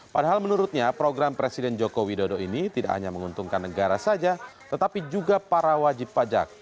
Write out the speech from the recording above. padahal menurutnya program presiden joko widodo ini tidak hanya menguntungkan negara saja tetapi juga para wajib pajak